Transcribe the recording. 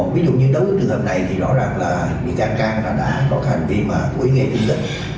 ví dụ như đối với trường hợp này thì rõ ràng là bị can trang là đã có cái hành vi mà cố ý gây thương tích